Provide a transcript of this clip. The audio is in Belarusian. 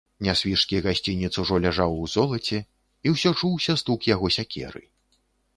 Нясвіжскі гасцінец ужо ляжаў у золаце, і ўсё чуўся стук яго сякеры.